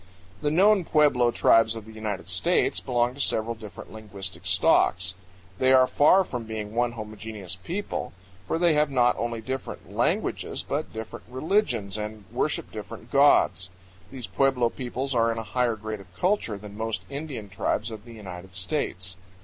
The known pueblo tribes of the United States belong to several different linguistic stocks. They are far from being one homogeneous people, for they have not only different languages but different religions and worship different gods. These pueblo peoples are in a higher grade of culture than most Indian tribes of the United States.